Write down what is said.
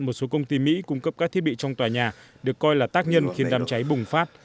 một số công ty mỹ cung cấp các thiết bị trong tòa nhà được coi là tác nhân khiến đám cháy bùng phát